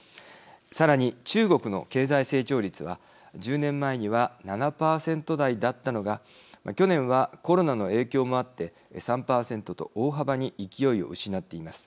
さらに、中国の経済成長率は１０年前には７％台だったのが去年はコロナの影響もあって３％と大幅に勢いを失っています。